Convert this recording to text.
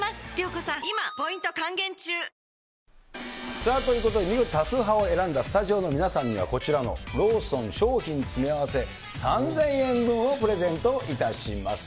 さあ、ということで、見事、多数派を選んだスタジオの皆さんには、こちらのローソン商品詰め合わせ３０００円分をプレゼントいたします。